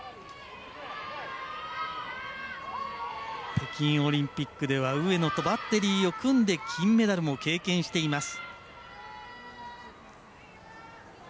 北京オリンピックでは上野とバッテリーを組んで金メダルも経験しています。